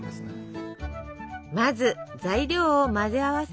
まず材料を混ぜ合わせますが。